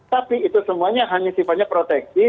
tapi itu semuanya hanya sifatnya proteksi